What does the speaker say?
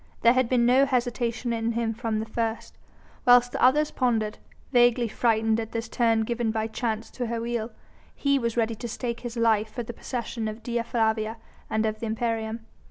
There had been no hesitation in him from the first. Whilst the others pondered vaguely frightened at this turn given by Chance to her wheel he was ready to stake his life for the possession of Dea Flavia and of the imperium.